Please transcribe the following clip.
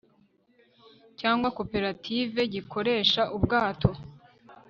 cyangwa koperative gikoresha ubwato